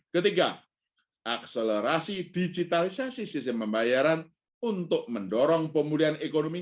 ketiga akselerasi digitalisasi sistem pembayaran untuk mendorong pemulihan ekonomi